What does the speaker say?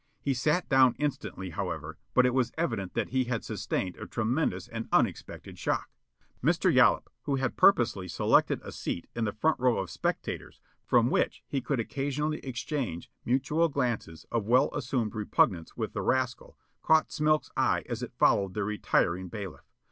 He sat down instantly, however, but it was evident that he had sustained a tremendous and unexpected shock. Mr. Yollop who had purposely selected a seat in the front row of spectators from which he could occasionally exchange mutual glances of well assumed repugnance with the rascal, caught Smilk's eye as it followed the retiring bailiff.